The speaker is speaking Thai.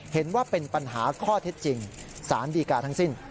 เห็นว่าเป็นปัญหาข้อเท็จจริงสารดีการทั้งสิ้น